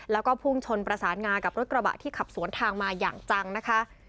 แล้วก็พุ่งชนประสานงากับรถกระบะที่ขับสวนทางมาอย่างจังนะคะ